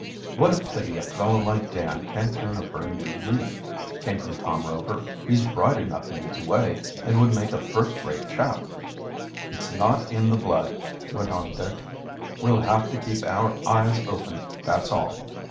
"What a pity a fellow like Dan can't turn over a new leaf," came from Tom Rover. "He's bright enough in his way, and would make a first rate chap." "It's not in the blood," went on Dick. "We'll have to keep our eyes open, that's all.